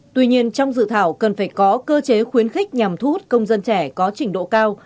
tuy nhiên trong dự thảo cần phải có cơ chế khuyến khích nhằm thu hút công dân trẻ có trình độ cao